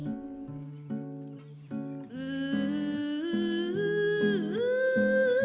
kepala kota kepala